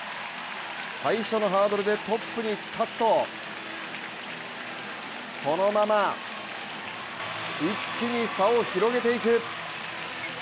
最初のハードルでトップに立つとそのまま一気に差を広げていく。